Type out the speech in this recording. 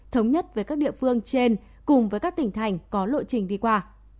thống nhất với các địa phương trên cùng với các tỉnh thành có lộ trình đi qua